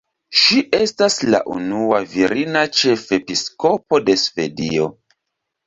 Ŝi estas la unua virina ĉefepiskopo de Svedio.